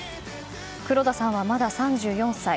黒田さんはまだ３４歳。